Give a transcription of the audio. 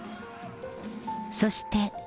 そして。